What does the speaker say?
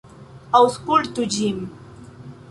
Aŭskultu ĝin.